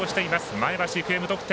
前橋育英、無得点。